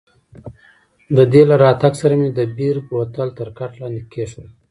د دې له راتګ سره مې د بیر بوتل تر کټ لاندې کښېښود.